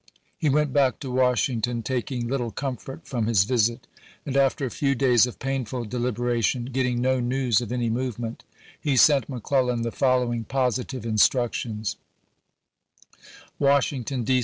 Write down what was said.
He went back to Washington taking little comfort from his visit, and after a few days of painful deliberation, getting no news of any move ment, he sent McClellan the following positive in structions : Washington, D.